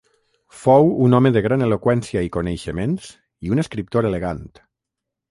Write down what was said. Fou un home de gran eloqüència i coneixements i un escriptor elegant.